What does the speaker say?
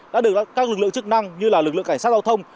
đã được các lực lượng chức năng như lực lượng cảnh sát giao thông